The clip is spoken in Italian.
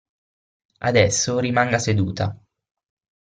Adesso, rimanga seduta.